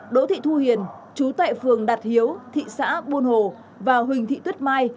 đỗ thị thu hiền chú tệ phường đạt hiếu thị xã buôn hồ và huỳnh thị tuyết mai